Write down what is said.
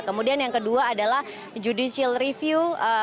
kemudian yang kedua adalah judicial review